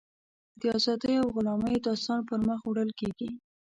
د ازادیو او غلامیو داستان پر مخ وړل کېږي.